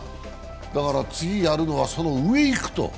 だから次やるのはその上いくと。